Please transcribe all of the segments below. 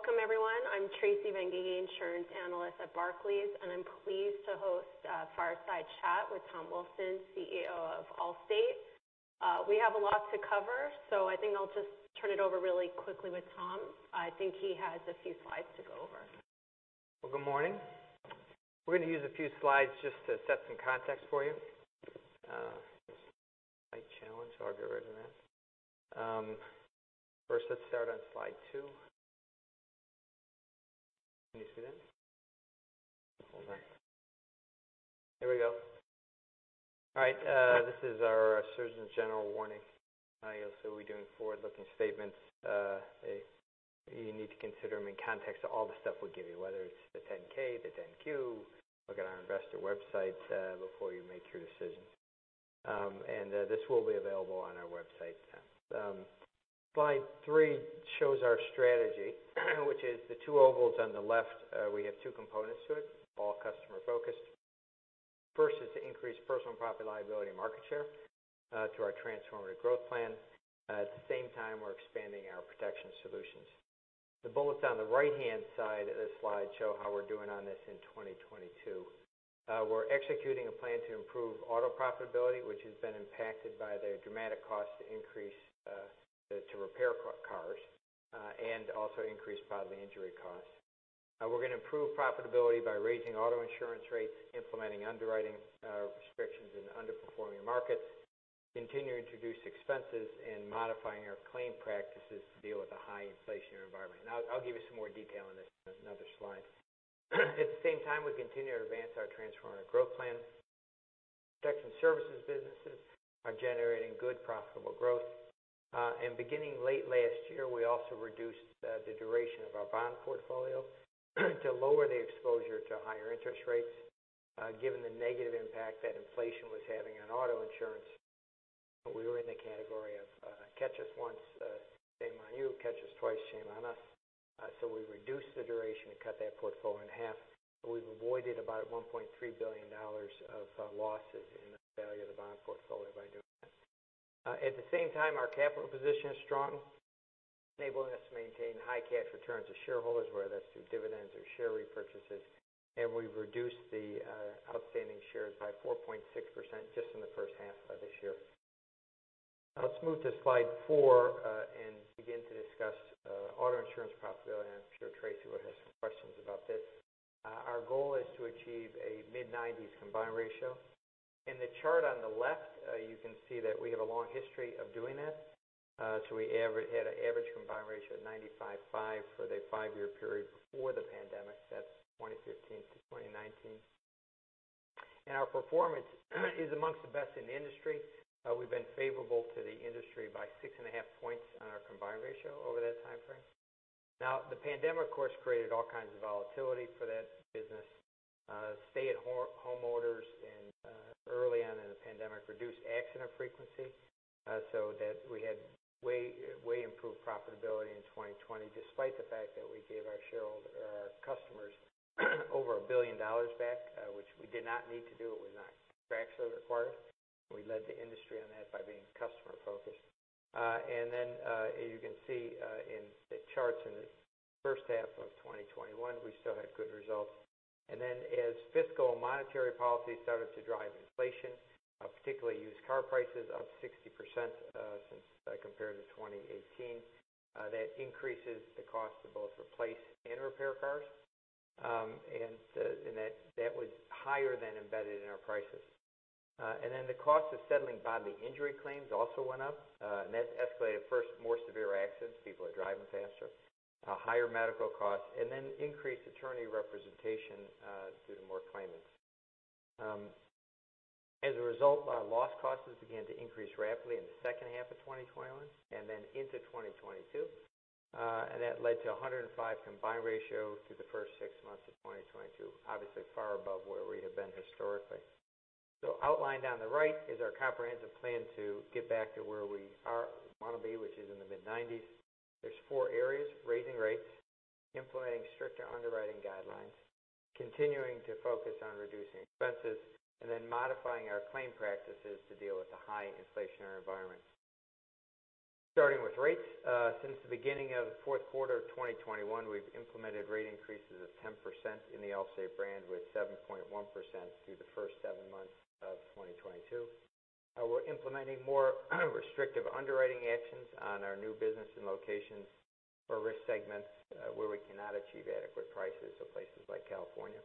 Welcome everyone. I'm Tracy Bentz, insurance analyst at Barclays, and I'm pleased to host a Fireside Chat with Tom Wilson, CEO of Allstate. We have a lot to cover, I think I'll just turn it over really quickly with Tom. I think he has a few slides to go over. Well, good morning. We're going to use a few slides just to set some context for you. Slide challenge, I'll get rid of that. First, let's start on slide two. Can you see that? Hold on. There we go. All right. This is our Surgeon General warning. Also, we're doing forward-looking statements. You need to consider them in context to all the stuff we give you, whether it's the 10-K, the 10-Q. Look at our investor websites before you make your decisions. This will be available on our website soon. Slide three shows our strategy, which is the two ovals on the left. We have two components to it, all customer-focused. First is to increase personal property-liability market share through our Transformative Growth Plan. At the same time, we're expanding our protection services. The bullets on the right-hand side of this slide show how we're doing on this in 2022. We're executing a plan to improve auto profitability, which has been impacted by the dramatic cost increase to repair cars, also increase bodily injury costs. We're going to improve profitability by raising auto insurance rates, implementing underwriting restrictions in underperforming markets, continue to reduce expenses, and modifying our claim practices to deal with a high inflationary environment. I'll give you some more detail on this in another slide. At the same time, we continue to advance our Transformative Growth Plan. Protection services businesses are generating good profitable growth. Beginning late last year, we also reduced the duration of our bond portfolio to lower the exposure to higher interest rates, given the negative impact that inflation was having on auto insurance. We were in the category of catch us once, shame on you, catch us twice, shame on us. We reduced the duration and cut that portfolio in half. We've avoided about $1.3 billion of losses in the value of the bond portfolio by doing that. At the same time, our capital position is strong, enabling us to maintain high cash returns to shareholders, whether that's through dividends or share repurchases. We've reduced the outstanding shares by 4.6% just in the first half of this year. Now let's move to slide four and begin to discuss auto insurance profitability. I'm sure Tracy will have some questions about this. Our goal is to achieve a mid-90s combined ratio. In the chart on the left, you can see that we have a long history of doing that. We had an average combined ratio of 95.5 for the five-year period before the pandemic. That's 2015-2019. Our performance is amongst the best in the industry. We've been favorable to the industry by 6.5 points on our combined ratio over that timeframe. The pandemic, of course, created all kinds of volatility for that business. Stay-at-home orders early on in the pandemic reduced accident frequency, so we had way improved profitability in 2020, despite the fact that we gave our customers over $1 billion back, which we did not need to do. It was not contractually required. We led the industry on that by being customer-focused. You can see in the charts in the first half of 2021, we still had good results. As fiscal monetary policy started to drive inflation, particularly used car prices up 60% compared to 2018. That increases the cost of both replace and repair cars. That was higher than embedded in our prices. The cost of settling bodily injury claims also went up. That's escalated at first more severe accidents. People are driving faster. Higher medical costs, increased attorney representation due to more claimants. As a result, our loss costs began to increase rapidly in the second half of 2021 and into 2022. That led to 105 combined ratio through the first six months of 2022, obviously far above where we have been historically. Outlined on the right is our comprehensive plan to get back to where we want to be, which is in the mid-90s. There's four areas, raising rates, implementing stricter underwriting guidelines, continuing to focus on reducing expenses, modifying our claim practices to deal with the high inflationary environment. Starting with rates. Since the beginning of the fourth quarter of 2021, we've implemented rate increases of 10% in the Allstate brand with 7.1% through the first seven months of 2022. We're implementing more restrictive underwriting actions on our new business and locations for risk segments where we cannot achieve adequate prices, so places like California.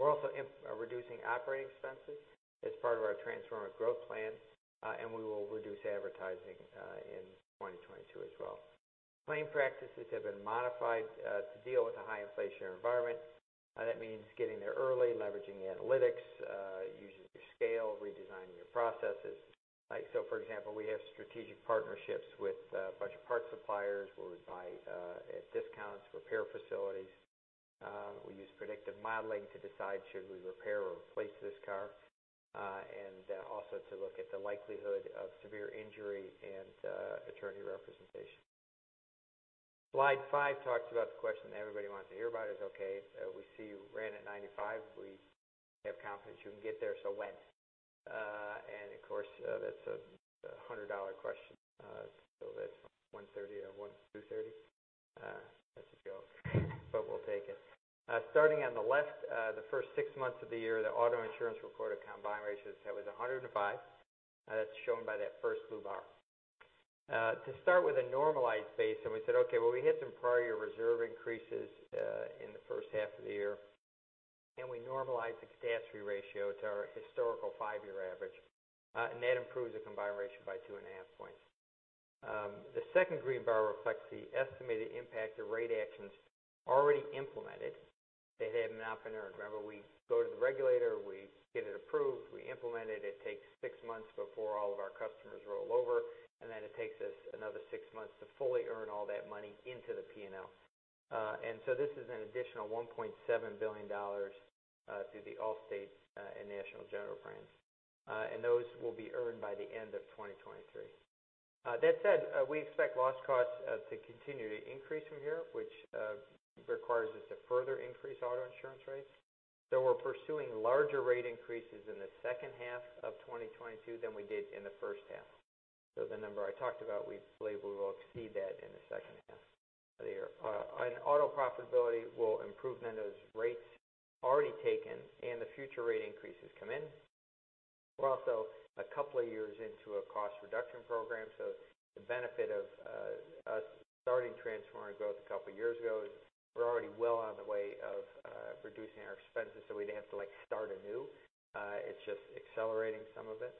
We're also reducing operating expenses as part of our Transformative Growth Plan. We will reduce advertising in 2022 as well. Claim practices have been modified to deal with the high inflationary environment. That means getting there early, leveraging analytics, using your scale, redesigning your processes. For example, we have strategic partnerships with a bunch of parts suppliers where we buy at discounts, repair facilities. We use predictive modeling to decide should we repair or replace this car. Also to look at the likelihood of severe injury and attorney representation. Slide five talks about the question that everybody wants to hear about is, "Okay, we see you ran at 95. We're confident you can get there. When?" Of course, that's a $100 question. That's 130 or 230. That's a joke, but we'll take it. Starting on the left, the first six months of the year, the auto insurance recorded combined ratio was 105, that's shown by that first blue bar. To start with a normalized base we said, "Okay, we had some prior year reserve increases in the first half of the year, we normalized the catastrophe ratio to our historical five-year average," that improves the combined ratio by 2.5 points. The second green bar reflects the estimated impact of rate actions already implemented that have not been earned. Remember, we go to the regulator, we get it approved, we implement it. It takes six months before all of our customers roll over, then it takes us another six months to fully earn all that money into the P&L. This is an additional $1.7 billion through the Allstate and National General brands, and those will be earned by the end of 2023. That said, we expect loss costs to continue to increase from here, which requires us to further increase auto insurance rates. We're pursuing larger rate increases in the second half of 2022 than we did in the first half. The number I talked about, we believe we will exceed that in the second half of the year. Auto profitability will improve then as rates already taken and the future rate increases come in. We're also a couple of years into a cost reduction program. The benefit of us starting Transformative Growth a couple of years ago is we're already well on the way of reducing our expenses, so we didn't have to start anew. It's just accelerating some of it.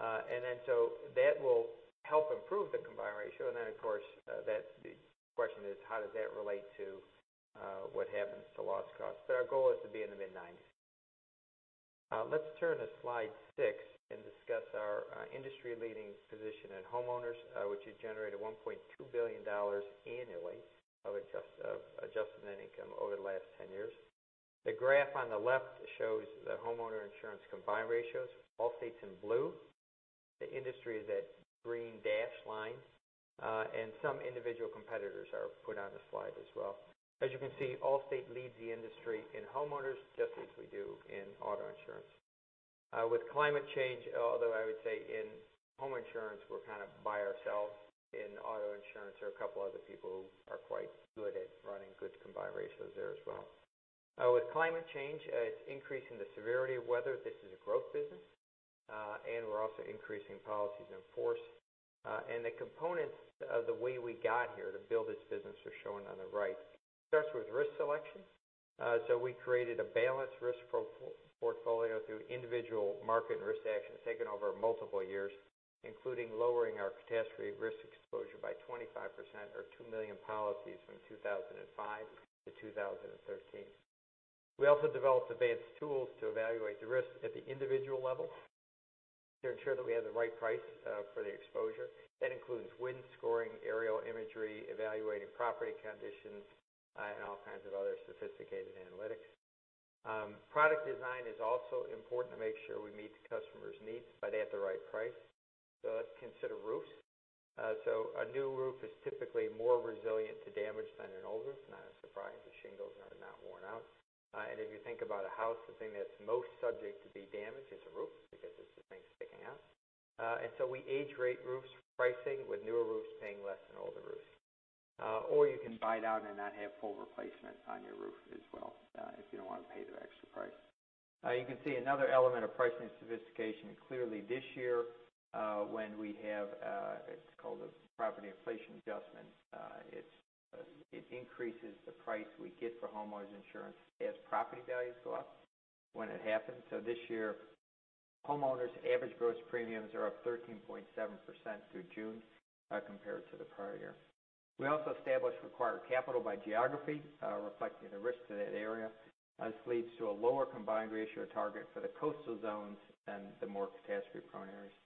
That will help improve the combined ratio, then, of course, the question is, how does that relate to what happens to loss costs? Our goal is to be in the mid-90s. Let's turn to slide six and discuss our industry-leading position in homeowners, which has generated $1.2 billion annually of adjustment net income over the last 10 years. The graph on the left shows the homeowner insurance combined ratios. Allstate's in blue. The industry is that green dashed line. Some individual competitors are put on the slide as well. As you can see, Allstate leads the industry in homeowners just as we do in auto insurance. With climate change, although I would say in home insurance, we're kind of by ourselves. In auto insurance there are a couple other people who are quite good at running good combined ratios there as well. With climate change, it's increasing the severity of weather. This is a growth business. We're also increasing policies in force. The components of the way we got here to build this business are shown on the right. It starts with risk selection. We created a balanced risk portfolio through individual market risk actions taken over multiple years, including lowering our catastrophe risk exposure by 25%, or 2 million policies from 2005 to 2013. We also developed advanced tools to evaluate the risk at the individual level to ensure that we have the right price for the exposure. That includes wind scoring, aerial imagery, evaluating property conditions, and all kinds of other sophisticated analytics. Product design is also important to make sure we meet the customer's needs, but at the right price. Let's consider roofs. A new roof is typically more resilient to damage than an old roof. Not a surprise. The shingles are not worn out. If you think about a house, the thing that's most subject to be damaged is a roof because it's the thing sticking out. We age rate roofs pricing with newer roofs paying less than older roofs. Or you can buy it out and not have full replacement on your roof as well if you don't want to pay the extra price. You can see another element of pricing sophistication clearly this year, when we have, it's called a property inflation adjustment. It increases the price we get for homeowners insurance as property values go up when it happens. This year, homeowners' average gross premiums are up 13.7% through June compared to the prior year. We also established required capital by geography, reflecting the risk to that area. This leads to a lower combined ratio target for the coastal zones than the more catastrophe-prone areas.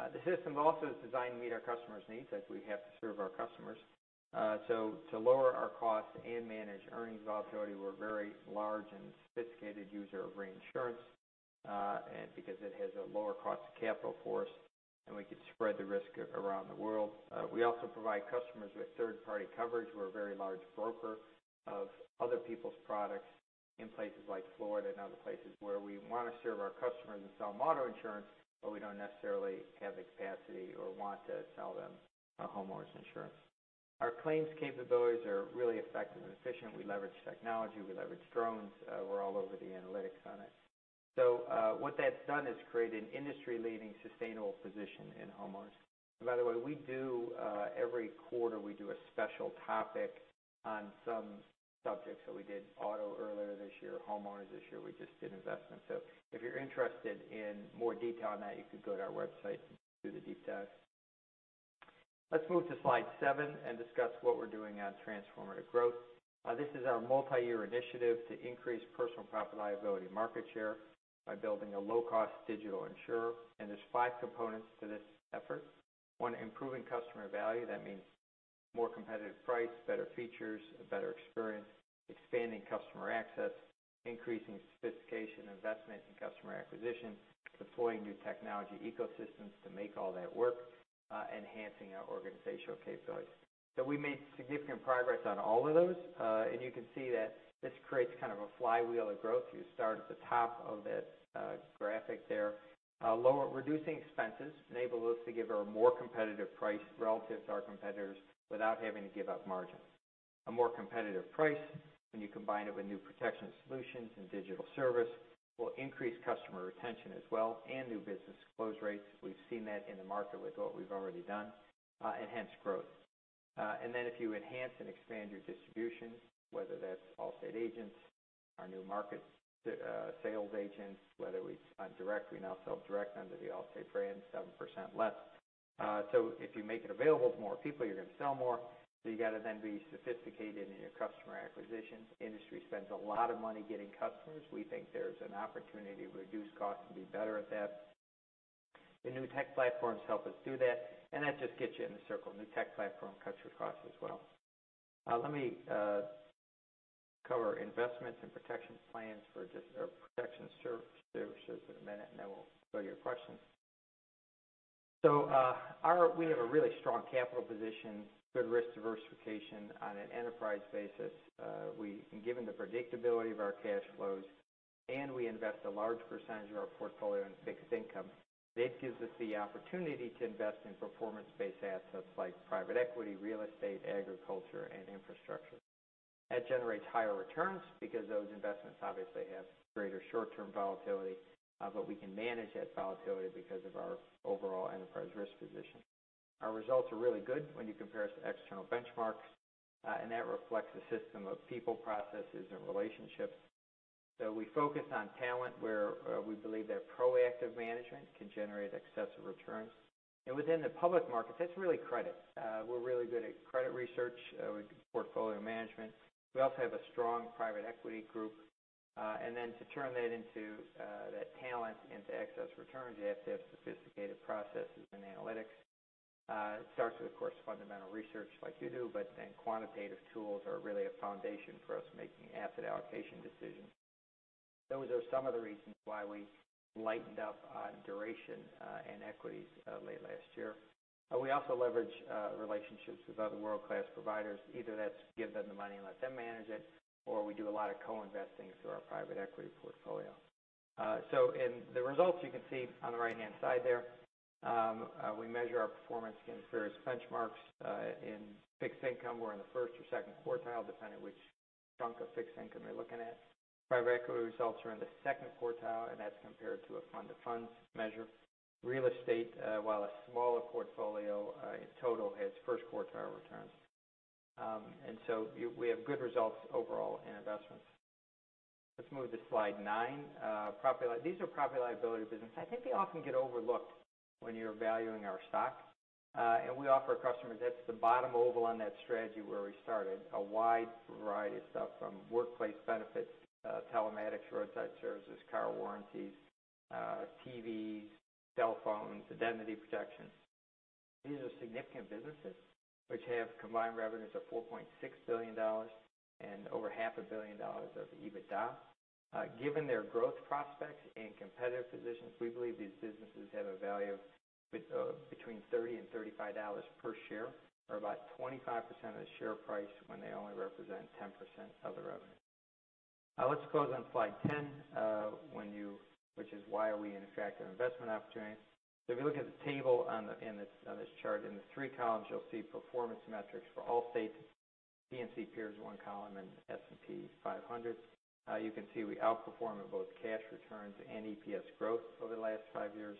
The system also is designed to meet our customers' needs, as we have to serve our customers. To lower our costs and manage earnings volatility, we're a very large and sophisticated user of reinsurance, because it has a lower cost of capital for us, and we can spread the risk around the world. We also provide customers with third-party coverage. We're a very large broker of other people's products in places like Florida and other places where we want to serve our customers and sell auto insurance, but we don't necessarily have the capacity or want to sell them homeowners insurance. Our claims capabilities are really effective and efficient. We leverage technology. We leverage drones. We're all over the analytics on it. What that's done is created an industry-leading, sustainable position in homeowners. By the way, every quarter, we do a special topic on some subjects. We did auto earlier this year, homeowners this year. We just did investment. If you're interested in more detail on that, you could go to our website and do the deep dive. Let's move to slide seven and discuss what we're doing on Transformative Growth. This is our multi-year initiative to increase personal property-liability market share by building a low-cost digital insurer. There's five components to this effort. One, improving customer value. That means More competitive price, better features, a better experience, expanding customer access, increasing sophistication, investment in customer acquisition, deploying new technology ecosystems to make all that work, enhancing our organizational capabilities. We made significant progress on all of those. You can see that this creates kind of a flywheel of growth. You start at the top of that graphic there. Reducing expenses enables us to give a more competitive price relative to our competitors without having to give up margin. A more competitive price, when you combine it with new protection services and digital service, will increase customer retention as well, and new business close rates. We've seen that in the market with what we've already done, hence growth. Then if you enhance and expand your distribution, whether that's Allstate agents, our new market sales agents, whether it's on direct, we now sell direct under the Allstate brand, 7% less. If you make it available to more people, you're going to sell more. You got to then be sophisticated in your customer acquisition. Industry spends a lot of money getting customers. We think there's an opportunity to reduce cost and be better at that. The new tech platforms help us do that, and that just gets you in the circle. New tech platform cuts your cost as well. Let me cover investments and protection plans for just our protection services in a minute, and then we'll go to your questions. We have a really strong capital position, good risk diversification on an enterprise basis. Given the predictability of our cash flows, and we invest a large percentage of our portfolio in fixed income, that gives us the opportunity to invest in performance-based assets like private equity, real estate, agriculture, and infrastructure. That generates higher returns because those investments obviously have greater short-term volatility. We can manage that volatility because of our overall enterprise risk position. Our results are really good when you compare us to external benchmarks, and that reflects the system of people, processes, and relationships. We focus on talent where we believe that proactive management can generate excessive returns. Within the public market, that's really credit. We're really good at credit research, portfolio management. We also have a strong private equity group. To turn that into that talent into excess returns, you have to have sophisticated processes and analytics. It starts with, of course, fundamental research like you do, quantitative tools are really a foundation for us making asset allocation decisions. Those are some of the reasons why we lightened up on duration, and equities late last year. We also leverage relationships with other world-class providers. Either that's give them the money and let them manage it, we do a lot of co-investing through our private equity portfolio. In the results you can see on the right-hand side there, we measure our performance against various benchmarks. In fixed income, we're in the first or second quartile, depending which chunk of fixed income you're looking at. Private equity results are in the second quartile, and that's compared to a fund-to-fund measure. Real estate, while a smaller portfolio, in total hits first quartile returns. We have good results overall in investments. Let's move to slide nine. These are property and liability business. I think they often get overlooked when you're valuing our stock. We offer our customers, that's the bottom oval on that strategy where we started, a wide variety of stuff from workplace benefits, telematics, roadside services, car warranties, TVs, cell phones, Allstate Identity Protection. These are significant businesses which have combined revenues of $4.6 billion and over half a billion dollars of EBITDA. Given their growth prospects and competitive positions, we believe these businesses have a value between $30 and $35 per share, or about 25% of the share price when they only represent 10% of the revenue. Let's close on slide 10, which is why are we an attractive investment opportunity? If you look at the table on this chart in the three columns, you'll see performance metrics for Allstate, P&C peers, one column, and S&P 500. You can see we outperform in both cash returns and EPS growth over the last five years.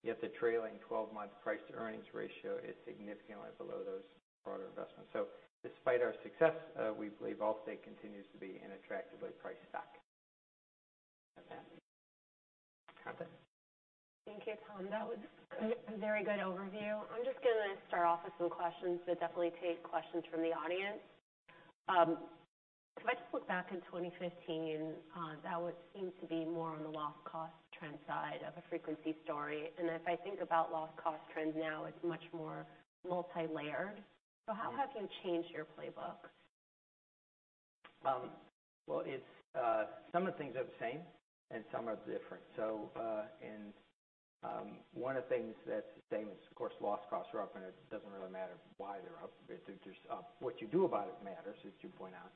Yet the trailing 12-month price-to-earnings ratio is significantly below those broader investments. Despite our success, we believe Allstate continues to be an attractively priced stock. With that, Catherine. Thank you, Tom. That was a very good overview. I'm just going to start off with some questions, but definitely take questions from the audience. If I just look back in 2015, that would seem to be more on the loss cost trend side of a frequency story. If I think about loss cost trends now, it's much more multilayered. How have you changed your playbook? Some of the things have stayed the same, and some are different. One of the things that's the same is, of course, loss costs are up, and it doesn't really matter why they're up. What you do about it matters, as you point out.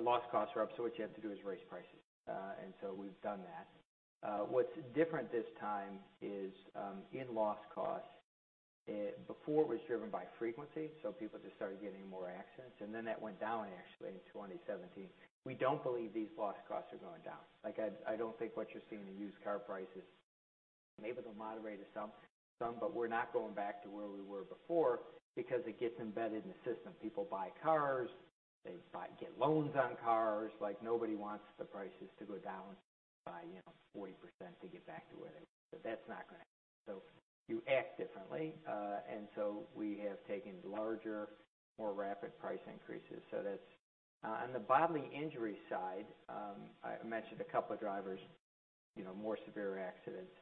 Loss costs are up, so what you have to do is raise prices. We've done that. What's different this time is in loss costs, before it was driven by frequency, so people just started getting in more accidents, and then that went down actually in 2017. We don't believe these loss costs are going down. I don't think what you're seeing in used car prices, maybe they'll moderate some, we're not going back to where we were before because it gets embedded in the system. People buy cars, they get loans on cars. Nobody wants the prices to go down by 40% to get back to where they were. That's not going to happen. You act differently. We have taken larger, more rapid price increases. On the bodily injury side, I mentioned a couple of drivers, more severe accidents.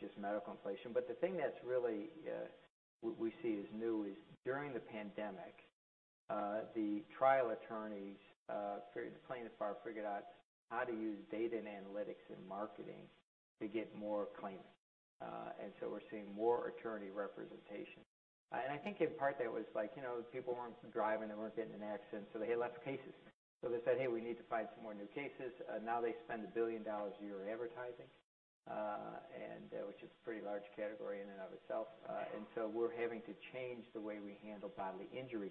Just medical inflation. The thing that really we see is new is during the pandemic, the trial attorneys, the plaintiff bar, figured out how to use data and analytics in marketing to get more claimants. We're seeing more attorney representation. I think in part that was people weren't driving, they weren't getting in accidents, so they had less cases. They said, "Hey, we need to find some more new cases." Now they spend $1 billion a year advertising, which is a pretty large category in and of itself. We're having to change the way we handle bodily injury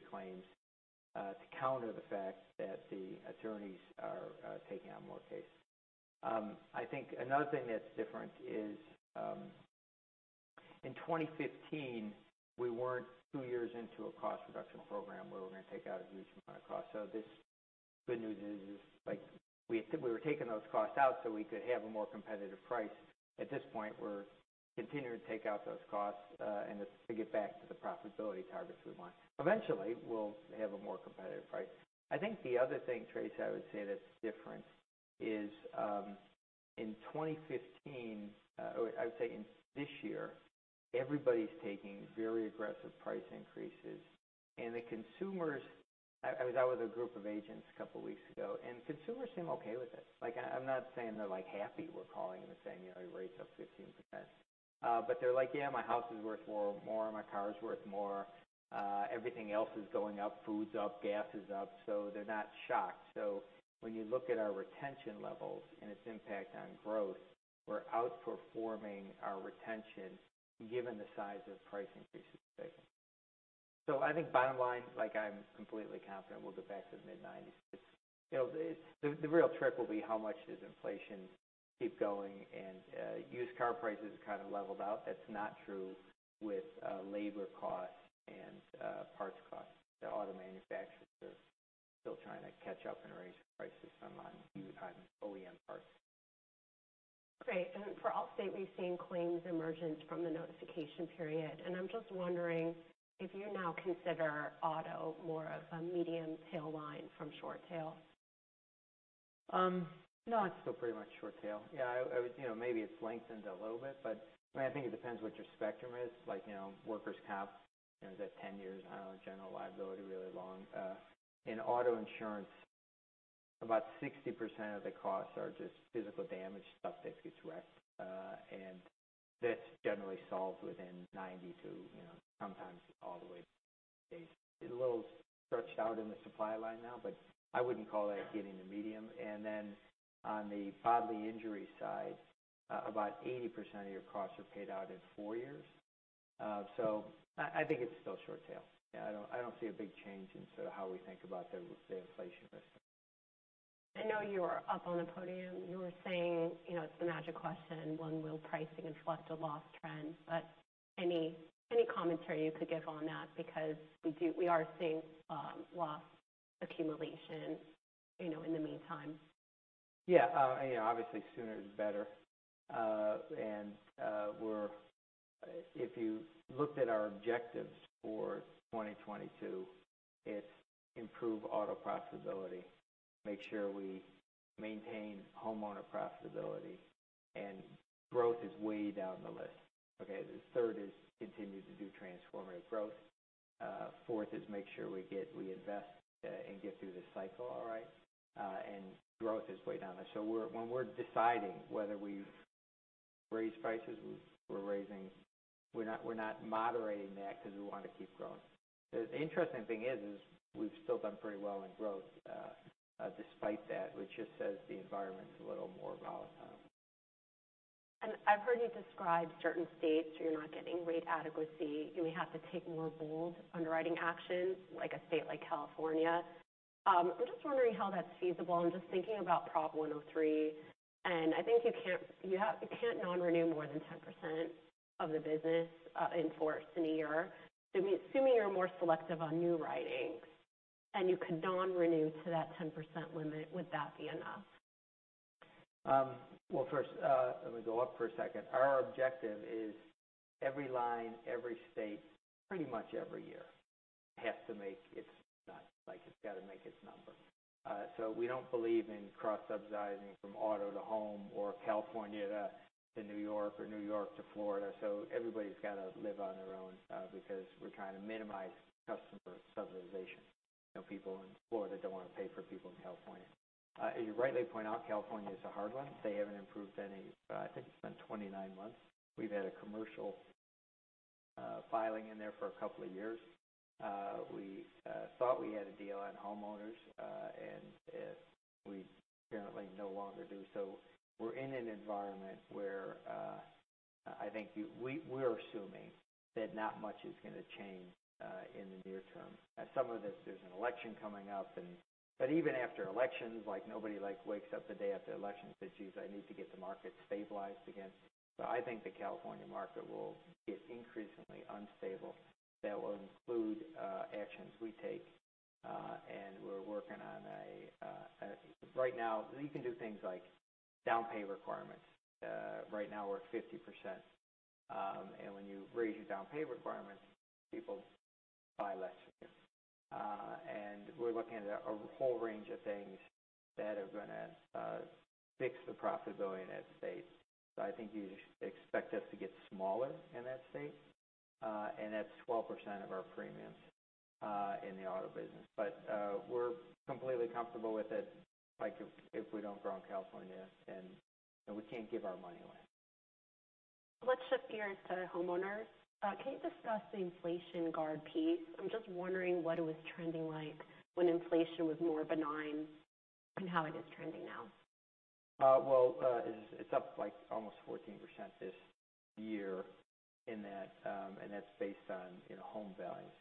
claims, to counter the fact that the attorneys are taking on more cases. I think another thing that's different is, in 2015, we weren't two years into a cost reduction program where we're going to take out a huge amount of cost. This good news is we were taking those costs out so we could have a more competitive price. At this point, we're continuing to take out those costs to get back to the profitability targets we want. Eventually, we'll have a more competitive price. I think the other thing, Tracy, I would say that's different is in 2015, or I would say in this year, everybody's taking very aggressive price increases. I was out with a group of agents a couple weeks ago, consumers seem okay with it. I'm not saying they're happy we're calling them saying their rate's up 15%. They're like, "Yeah, my house is worth more, my car is worth more. Everything else is going up. Food's up, gas is up." They're not shocked. When you look at our retention levels and its impact on growth, we're outperforming our retention given the size of price increases taken. I think bottom line, I'm completely confident we'll get back to the mid-90s. The real trick will be how much does inflation keep going and used car prices kind of leveled out. That's not true with labor costs and parts costs. The auto manufacturers are still trying to catch up and raise prices on OEM parts. Great. For Allstate, we've seen claims emergence from the notification period, and I'm just wondering if you now consider auto more of a medium tail line from short tail? No, it's still pretty much short tail. Yeah. Maybe it's lengthened a little bit, but I think it depends what your spectrum is. Like workers' comp is at 10 years, general liability, really long. In auto insurance, about 60% of the costs are just physical damage stuff that gets wrecked. That's generally solved within 90 to sometimes all the way to days. It's a little stretched out in the supply line now, but I wouldn't call that getting to medium. Then on the bodily injury side, about 80% of your costs are paid out in four years. I think it's still short tail. Yeah, I don't see a big change in how we think about the inflation risk. I know you were up on the podium. You were saying it's the magic question, when will pricing reflect a loss trend? Any commentary you could give on that because we are seeing loss accumulation in the meantime. Yeah. Obviously sooner is better. If you looked at our objectives for 2022, it's improve auto profitability, make sure we maintain homeowner profitability. Growth is way down the list. The third is continue to do Transformative Growth. Fourth is make sure we invest and get through this cycle all right. Growth is way down the list. When we're deciding whether we raise prices, we're not moderating that because we want to keep growing. The interesting thing is we've still done pretty well in growth despite that, which just says the environment's a little more volatile. I've heard you describe certain states where you're not getting rate adequacy, we have to take more bold underwriting actions, like a state like California. I'm just wondering how that's feasible, just thinking about Proposition 103. I think you can't non-renew more than 10% of the business in force in a year. Assuming you're more selective on new writings, you could non-renew to that 10% limit, would that be enough? Well, first let me go up for a second. Our objective is every line, every state, pretty much every year, has to make its number. We don't believe in cross-subsidizing from auto to home or California to New York or New York to Florida. Everybody's got to live on their own because we're trying to minimize customer subsidization. People in Florida don't want to pay for people in California. You rightly point out California is a hard one. They haven't approved any, I think it's been 29 months. We've had a commercial filing in there for a couple of years. We thought we had a deal on homeowners, we apparently no longer do. We're in an environment where we're assuming that not much is going to change in the near term. Some of it, there's an election coming up. Even after elections, nobody wakes up the day after the election and says, "Geez, I need to get the market stabilized again." I think the California market will get increasingly unstable. That will include actions we take. We're working on a, right now you can do things like down payment requirements. Right now we're at 50%. When you raise your down payment requirements, people buy less. We're looking at a whole range of things that are going to fix the profitability in that state. I think you should expect us to get smaller in that state. That's 12% of our premiums in the auto business. We're completely comfortable with it, like if we don't grow in California, we can't give our money away. Let's shift gears to homeowners. Can you discuss the inflation guard piece? I'm just wondering what it was trending like when inflation was more benign and how it is trending now. Well, it's up almost 14% this year. That's based on home values.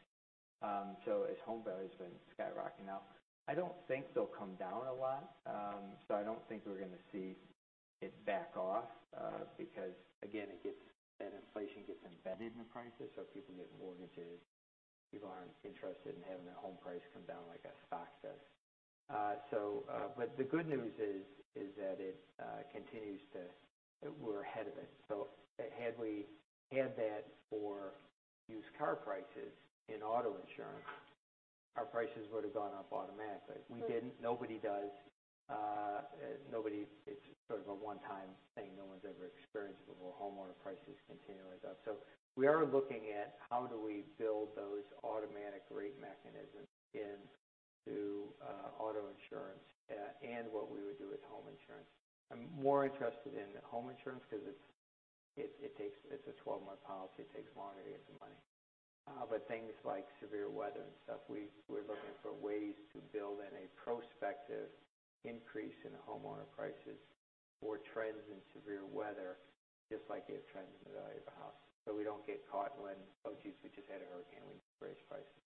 As home values have been skyrocketing up, I don't think they'll come down a lot. I don't think we're going to see it back off, because again, that inflation gets embedded in prices, so people get mortgages. People aren't interested in having their home price come down like a stock does. The good news is that we're ahead of it. Had we had that for used car prices in auto insurance, our prices would've gone up automatically. We didn't. Nobody does. It's sort of a one-time thing. No one's ever experienced it before. homeowner prices continually go up. We are looking at how do we build those automatic rate mechanisms into auto insurance, and what we would do with home insurance. I'm more interested in home insurance because it's a 12-month policy. It takes longer to get the money. Things like severe weather and stuff, we're looking for ways to build in a prospective increase in homeowner prices or trends in severe weather, just like you have trends in the value of a house. We don't get caught when, oh, geez, we just had a hurricane. We need to raise prices.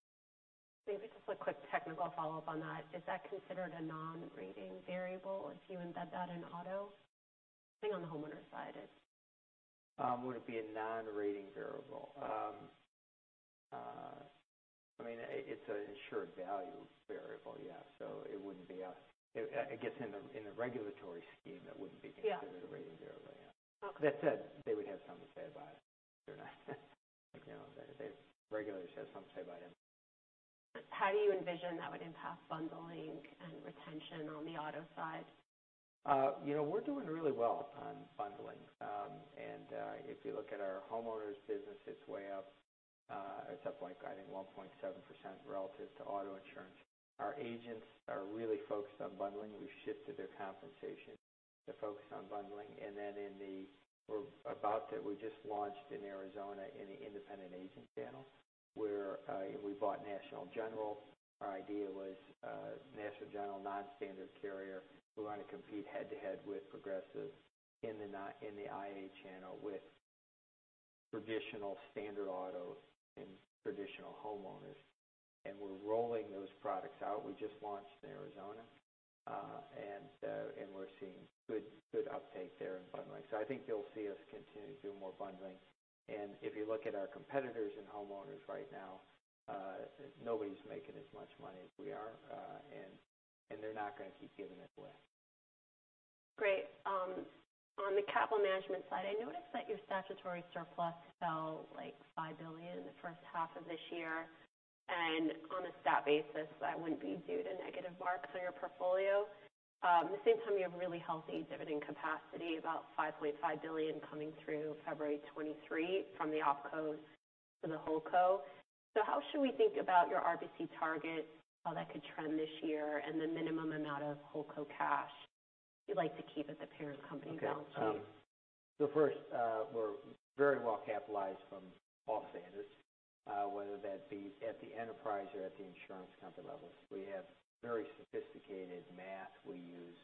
Maybe just a quick technical follow-up on that. Is that considered a non-rating variable if you embed that in auto? I think on the homeowner side it is. Would it be a non-rating variable? It's an insured value variable, yeah. I guess in the regulatory scheme, that wouldn't be- Yeah considered a rating variable, yeah. Okay. That said, they would have something to say about it if they're not acknowledged. The regulators have something to say about everything. How do you envision that would impact bundling and retention on the auto side? We're doing really well on bundling. If you look at our homeowners business, it's way up. It's up, I think, 1.7% relative to auto insurance. Our agents are really focused on bundling. We've shifted their compensation to focus on bundling. We just launched in Arizona in the IA channel, where we bought National General. Our idea was National General, non-standard carrier. We want to compete head-to-head with Progressive in the IA channel with traditional standard autos and traditional homeowners. We're rolling those products out. We just launched in Arizona, and we're seeing good uptake there in bundling. I think you'll see us continue to do more bundling. If you look at our competitors in homeowners right now, nobody's making as much money as we are. They're not going to keep giving it away. Great. On the capital management side, I noticed that your statutory surplus fell like $5 billion in the first half of this year. On a stat basis, that wouldn't be due to negative marks on your portfolio. At the same time, you have really healthy dividend capacity, about $5.5 billion coming through February 23 from the opcos to the holdco. How should we think about your RBC target, how that could trend this year, and the minimum amount of holdco cash you'd like to keep as a parent company balance sheet? Okay. First, we're very well capitalized from all standards, whether that be at the enterprise or at the insurance company levels. We have very sophisticated math we use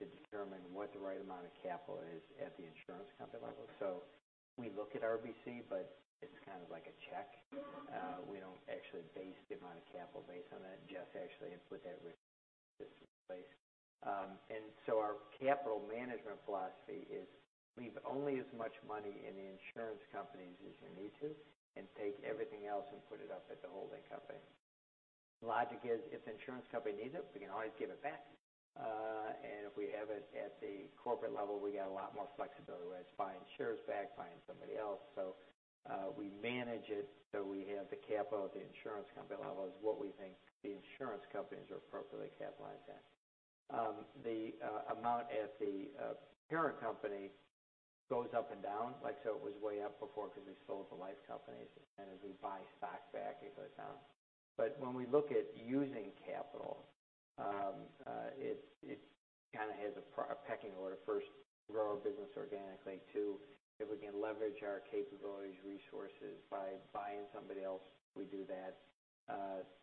to determine what the right amount of capital is at the insurance company level. We look at RBC, but it's kind of like a check. We don't actually base the amount of capital based on that. Jeff actually has put that system in place. Our capital management philosophy is leave only as much money in the insurance companies as you need to, and take everything else and put it up at the holding company. The logic is if the insurance company needs it, we can always give it back. If we have it at the corporate level, we got a lot more flexibility whether it's buying shares back, buying somebody else. We manage it so we have the capital at the insurance company level is what we think the insurance companies are appropriately capitalized at. The amount at the parent company goes up and down. It was way up before because we sold the life companies, and as we buy stock back, it goes down. When we look at using capital, it kind of has a pecking order. First, grow our business organically. 2, if we can leverage our capabilities, resources by buying somebody else, we do that.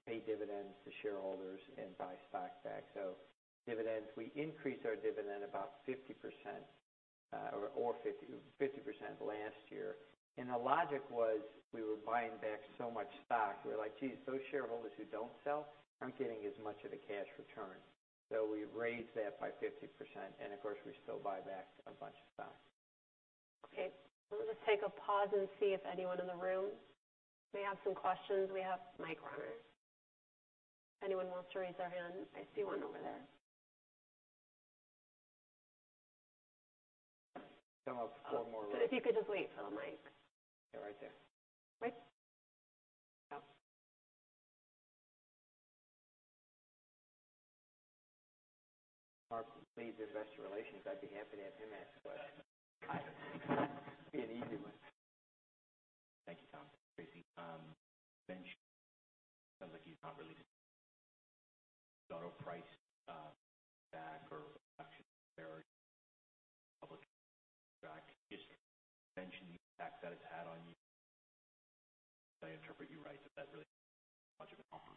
Pay dividends to shareholders and buy stock back. Dividends, we increased our dividend about 50% last year. The logic was we were buying back so much stock. We were like, "Geez, those shareholders who don't sell aren't getting as much of a cash return." We raised that by 50%, and of course, we still buy back a bunch of stock. Okay. We'll just take a pause and see if anyone in the room may have some questions. We have mic runners. If anyone wants to raise their hand. I see one over there. If you could just wait for the mic. Yeah, right there. Right. Oh. Mark leads investor relations. I'd be happy to have him ask a question. Yeah. It'd be an easy one. Thank you, Tom, Tracy. Bentz, sounds like he's not really auto price back or reduction there. Public mention the impact that it's had on you. If I interpret you right, that really isn't much of a component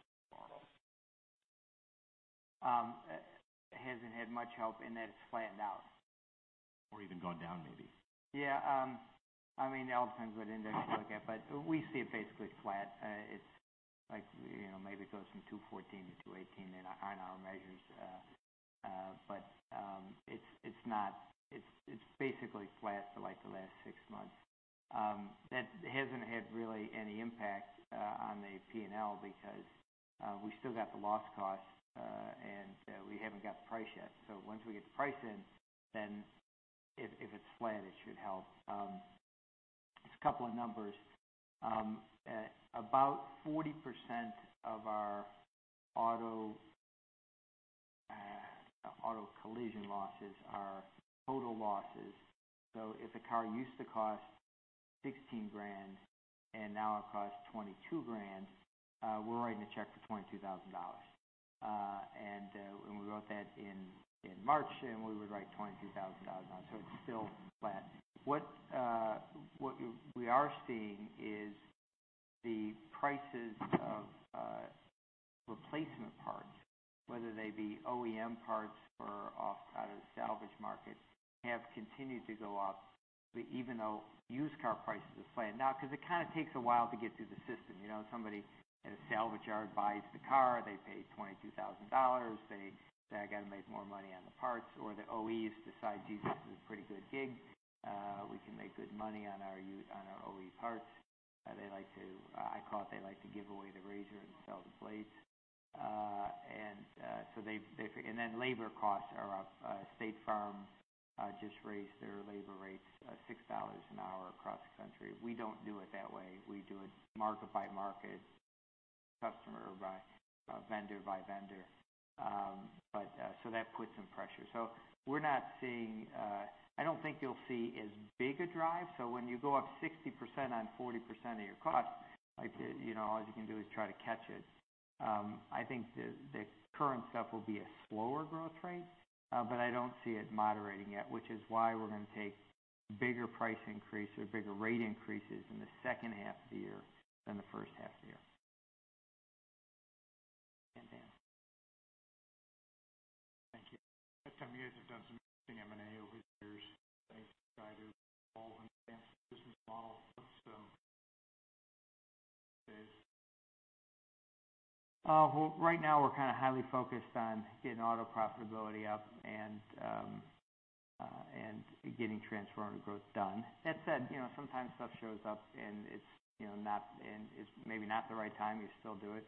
at all. Hasn't had much help in that it's flattened out. Even gone down maybe. It all depends what index you look at, but we see it basically flat. It maybe goes from 214 to 218 on our measures. It's basically flat for the last six months. That hasn't had really any impact on the P&L because we still got the loss cost, and we haven't got the price yet. Once we get the price in, then if it's flat, it should help. Just a couple of numbers. About 40% of our auto collision losses are total losses. If a car used to cost $16,000 and now it costs $22,000, we're writing a check for $22,000. We wrote that in March, and we would write $22,000 out. It's still flat. What we are seeing is the prices of replacement parts, whether they be OEM parts or out of the salvage market, have continued to go up, even though used car prices have flattened out. It kind of takes a while to get through the system. Somebody at a salvage yard buys the car. They pay $22,000. They say, "I got to make more money on the parts." The OEs decide, "Gee, this is a pretty good gig. We can make good money on our OE parts." I call it they like to give away the razor and sell the blades. Then labor costs are up. State Farm just raised their labor rates $6 an hour across the country. We don't do it that way. We do it market by market, customer by, vendor by vendor. That put some pressure. I don't think you'll see as big a drive. When you go up 60% on 40% of your cost, all you can do is try to catch it. I think the current stuff will be a slower growth rate. I don't see it moderating yet, which is why we're going to take bigger price increases, bigger rate increases in the second half of the year than the first half of the year. Dan. Thank you. Tom, you guys have done some interesting M&A over the years as you've tried to evolve and advance the business model. Dan. Well, right now we're kind of highly focused on getting auto profitability up and getting Transformative Growth done. That said, sometimes stuff shows up and it's maybe not the right time, you still do it.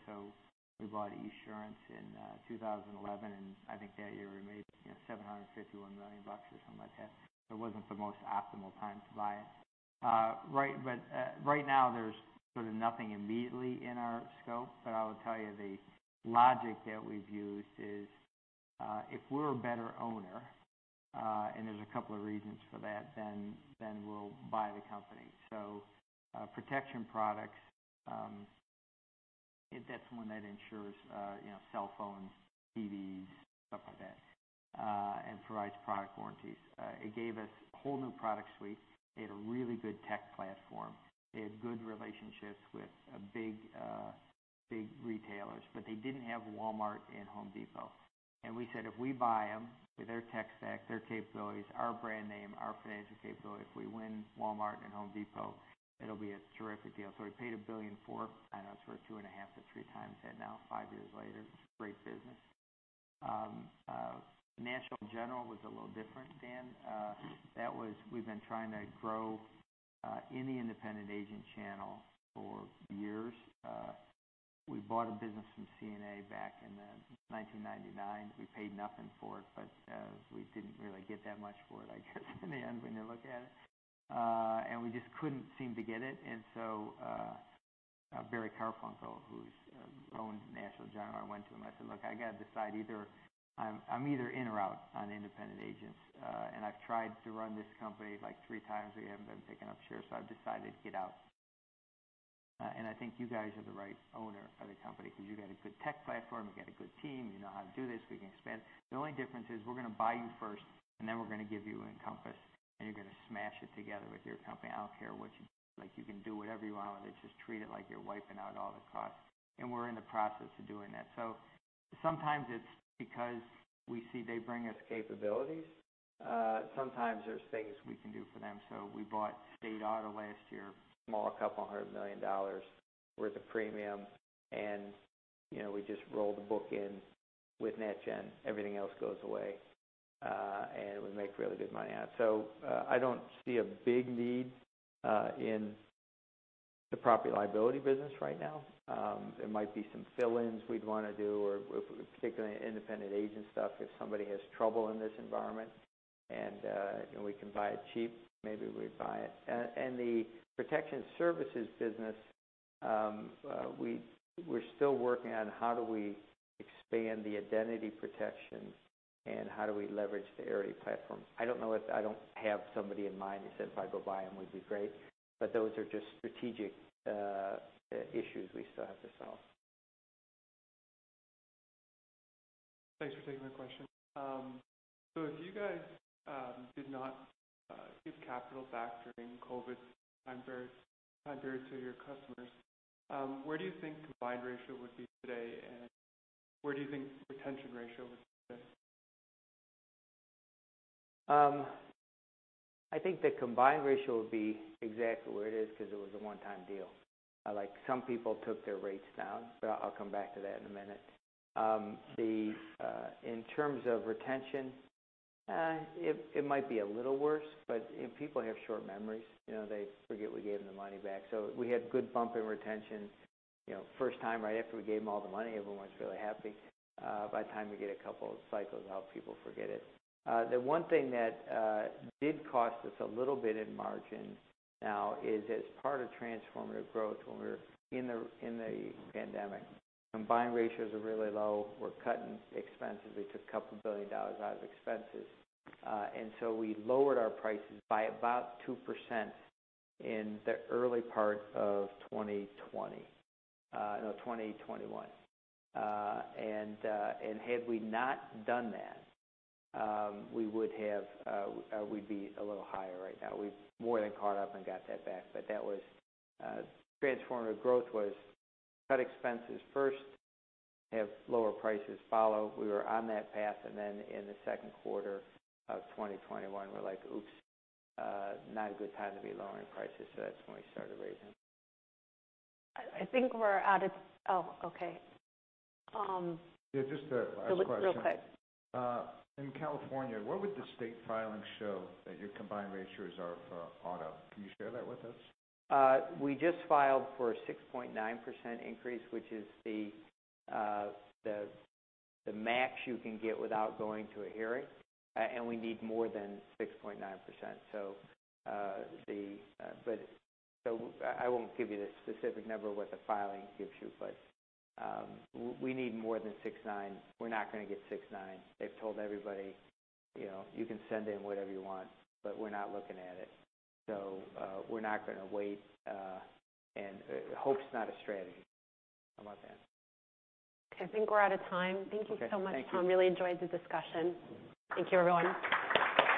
We bought Esurance in 2011, and I think that year we made $751 million or something like that. It wasn't the most optimal time to buy it. Right now there's sort of nothing immediately in our scope. I will tell you, the logic that we've used is, if we're a better owner, and there's a couple of reasons for that, then we'll buy the company. Protection Services, that's the one that insures cell phones, TVs, stuff like that, and provides product warranties. It gave us a whole new product suite. It had a really good tech platform. It had good relationships with big retailers. They didn't have Walmart and The Home Depot. We said, "If we buy them with their tech stack, their capabilities, our brand name, our financial capability, if we win Walmart and The Home Depot, it'll be a terrific deal." We paid $1 billion for it, and that's worth two and a half to three times that now, five years later. It's a great business. National General was a little different, Dan. That was, we've been trying to grow in the independent agent channel for years. We bought a business from CNA back in 1999. We paid nothing for it, but we didn't really get that much for it, I guess in the end when you look at it. We just couldn't seem to get it. Barry Karfunkel, who's owned National General, I went to him, I said, "Look, I got to decide, either I'm either in or out on independent agents. I've tried to run this company like three times. We haven't been able to pick up shares, I've decided to get out. I think you guys are the right owner of the company because you got a good tech platform. You got a good team. You know how to do this. We can expand. The only difference is we're going to buy you first, then we're going to give you Encompass, and you're going to smash it together with your company. I don't care what you, like you can do whatever you want with it. Just treat it like you're wiping out all the costs." We're in the process of doing that. Sometimes it's because we see they bring us capabilities. Sometimes there's things we can do for them. We bought State Auto last year, small, a couple hundred million dollars worth of premium. We just rolled the book in with NetGen. Everything else goes away. We make really good money on it. I don't see a big need in the property liability business right now. There might be some fill-ins we'd want to do or particularly independent agent stuff if somebody has trouble in this environment and we can buy it cheap, maybe we'd buy it. The protection services business, we're still working on how do we expand the identity protection and how do we leverage the Arity platform. I don't know if I don't have somebody in mind who said if I go buy them, would be great, but those are just strategic issues we still have to solve. Thanks for taking my question. If you guys did not give capital back during COVID time period to your customers, where do you think combined ratio would be today, and where do you think retention ratio would be today? I think the combined ratio would be exactly where it is because it was a one-time deal. Some people took their rates down, but I'll come back to that in a minute. In terms of retention, it might be a little worse, but people have short memories. They forget we gave them the money back. We had good bump in retention. First time, right after we gave them all the money, everyone's really happy. By the time we get a couple of cycles out, people forget it. The one thing that did cost us a little bit in margin now is as part of Transformative Growth when we were in the pandemic, combined ratios are really low. We're cutting expenses. We took a couple billion dollars out of expenses. We lowered our prices by about 2% in the early part of 2020, no, 2021. Had we not done that, we'd be a little higher right now. We've more than caught up and got that back. Transformative Growth was cut expenses first, have lower prices follow. We were on that path, then in the second quarter of 2021, we're like, "Oops, not a good time to be lowering prices." That's when we started raising. I think we're out of Oh, okay. Yeah, just a last question. Real quick. In California, what would the state filings show that your combined ratios are for auto? Can you share that with us? We just filed for a 6.9% increase, which is the max you can get without going to a hearing. We need more than 6.9%. I won't give you the specific number what the filing gives you, but we need more than 6.9. We're not going to get 6.9. They've told everybody, "You can send in whatever you want, but we're not looking at it." We're not going to wait, and hope's not a strategy. How about that? I think we're out of time. Thank you so much, Tom. Okay. Thank you. Really enjoyed the discussion. Thank you, everyone.